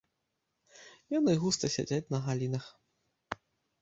Яны густа сядзяць на галінах.